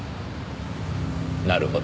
なるほど。